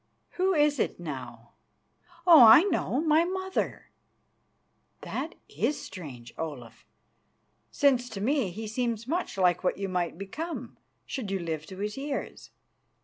"Who is it, now? Oh! I know, my mother." "That is strange, Olaf, since to me he seems much like what you might become should you live to his years.